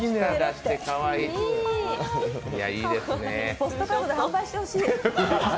ポストカードで販売してほしい。